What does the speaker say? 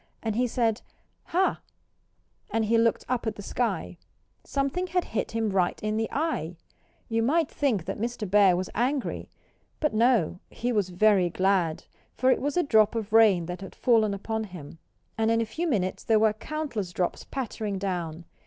And he said, "Hah!" And he looked up at the sky. Something had hit him right in the eye. You might think that Mr. Bear was angry. But no! He was very glad. For it was a drop of rain that had fallen upon him. And in a few minutes there were countless drops pattering down.